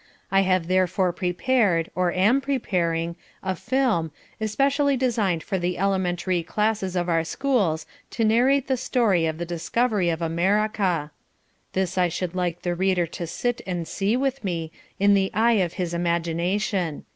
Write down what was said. I have therefore prepared, or am preparing, a film, especially designed for the elementary classes of our schools to narrate the story of the discovery of America. This I should like the reader to sit and see with me, in the eye of his imagination.